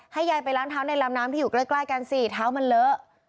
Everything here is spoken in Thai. ยายไปล้างเท้าในลำน้ำที่อยู่ใกล้กันสิเท้ามันเลอะ